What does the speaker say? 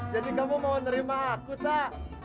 jadi kamu mau nerima aku tak